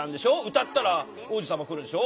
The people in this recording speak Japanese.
歌ったら王子様来るでしょ？